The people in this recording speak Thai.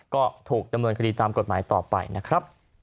ก็ถูกดำเนินคดีตามกฎหมายต่อไปนะครับ